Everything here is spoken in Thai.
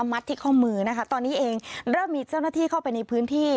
มัดที่ข้อมือนะคะตอนนี้เองเริ่มมีเจ้าหน้าที่เข้าไปในพื้นที่